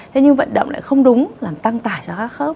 thế nhưng vận động lại không đúng làm tăng tải cho các khớp